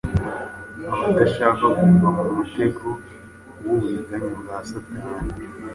abadashaka kugwa mu mutego w’uburiganya bwa satani